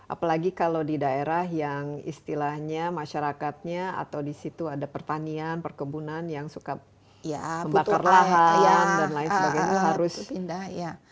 apalagi kalau di daerah yang istilahnya masyarakatnya atau disitu ada pertanian perkebunan yang suka membakar lahan dan lain sebagainya